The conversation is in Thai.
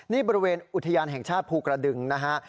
นี่บริเวณอุทยานแห่งชาติภูกระดึงนะฮะ